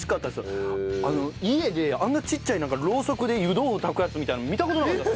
家であんなちっちゃいろうそくで湯豆腐炊くやつみたいなの見た事なかった。